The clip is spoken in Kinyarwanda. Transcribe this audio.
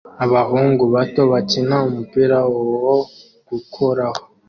Abahungu bato bakina umupira wo gukoraho